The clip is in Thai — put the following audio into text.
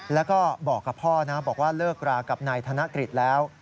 แล้วก็บอกกับพ่อนะบอกว่าเลิกรากับนายธนกฤษแล้ว